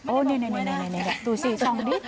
นี่ดูสิส่องดิ